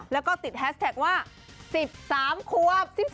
แล้วก็ติดแฮสแท็กว่า๑๓ควบ๑๓